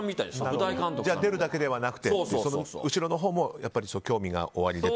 出るだけではなくて後ろのほうも興味がおありで。